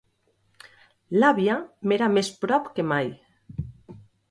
L'àvia m'era més prop que mai.